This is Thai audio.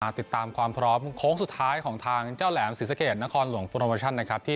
ปาติดตามความพร้อมโค้งสุดท้ายของทางเจ้าแหลมสีสับเกษตรคอนหลวงโพรโมชั่นที่